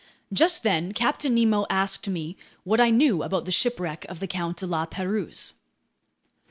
Just then Captain Nemo asked me what I knew about the shipwreck of the Count de La Pérouse.